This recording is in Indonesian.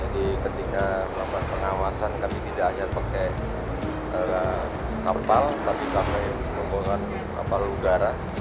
jadi ketika pengawasan kami tidak hanya pakai kapal tapi pakai bumbungan kapal udara